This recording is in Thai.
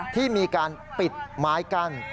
ที่มีการปิดหมายกัน